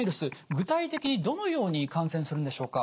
具体的にどのように感染するんでしょうか？